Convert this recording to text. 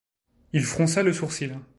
Il fronça le sourcil.